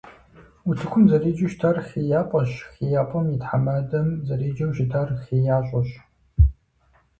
УтыкӀум зэреджэу щытар «ХеяпӀэщ», ХейяпӀэм и тхьэмадэм зэреджэу щытар «ХеящӀэщ».